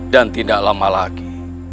dan tidak lama lagi